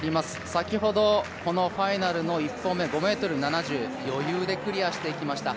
先ほどこのファイナルの１本目、５ｍ７０、余裕でクリアしていきました。